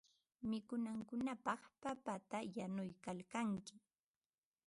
Mikunankupaq papata yanuykalkanki.